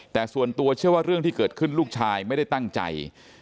แต่ส่วนตัวเชื่อว่าเรื่องที่เกิดขึ้นลูกชายไม่ได้ตั้งใจ